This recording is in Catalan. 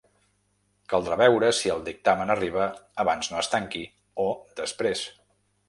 Caldrà veure si el dictamen arriba abans no es tanqui o després.